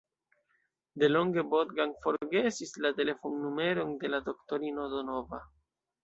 Delonge Bogdan forgesis la telefonnumeron de doktorino Donova.